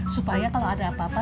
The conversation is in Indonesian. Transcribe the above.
supaya kalau ada apa apa